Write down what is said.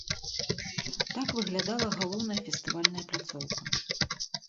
Так выглядала галоўная фестывальная пляцоўка.